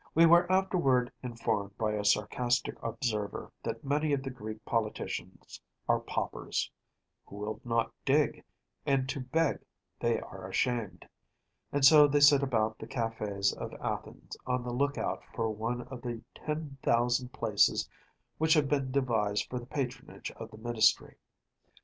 We were afterward informed by a sarcastic observer that many of the Greek politicians are paupers, “who will not dig, and to beg they are ashamed;‚ÄĚ and so they sit about the cafés of Athens on the look out for one of the 10,000 places which have been devised for the patronage of the Ministry.